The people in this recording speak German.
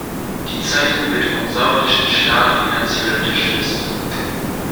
Die Zeitung wird vom saudischen Staat finanziell unterstützt.